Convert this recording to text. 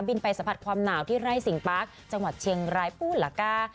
บินไปสะพัดความหนาวที่ไร่สิงปักจังหวัดเชียงรายพูดละก้า